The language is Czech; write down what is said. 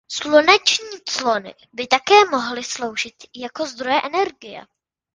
Sluneční clony by také mohly sloužit jako zdroje energie.